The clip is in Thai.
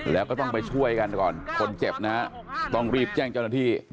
แล้วก็ต้องไปช่วยกันก่อนคนเจ็บนะฮะต้องรีบแจ้งเจ้าหน้าที่